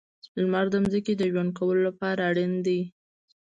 • لمر د ځمکې د ژوند کولو لپاره اړین دی.